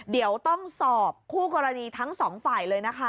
เดี๋ยวต้องสอบคู่กรณีทั้งสองฝ่ายเลยนะคะ